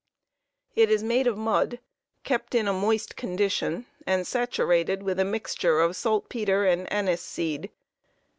It is made of mud, kept in a moist condition and saturated with a mixture of saltpeter and anise seed.